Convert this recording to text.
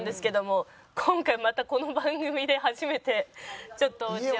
今回またこの番組で初めてちょっとおうちを。